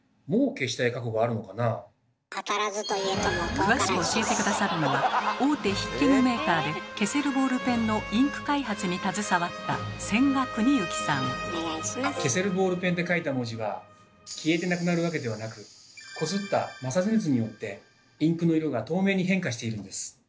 詳しく教えて下さるのは大手筆記具メーカーで消せるボールペンのインク開発に携わった消せるボールペンで書いた文字は消えてなくなるわけではなくこすった摩擦熱によってインクの色が透明に変化しているんです。